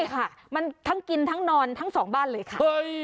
ใช่ค่ะมันทั้งกินทั้งนอนทั้งสองบ้านเลยค่ะ